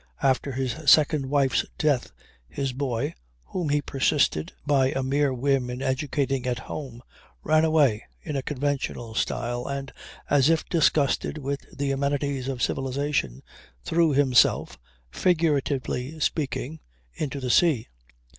After his second wife's death his boy, whom he persisted by a mere whim in educating at home, ran away in conventional style and, as if disgusted with the amenities of civilization, threw himself, figuratively speaking, into the sea.